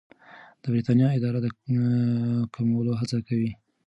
د بریتانیا اداره د کمولو هڅه کوي.